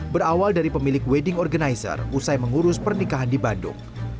berawal dari pemilik wedding organizer usai mengurus pernikahan di bandung